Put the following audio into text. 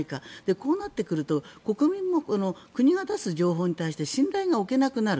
こうなってくると国民も国が出す情報に対して信頼が置けなくなる。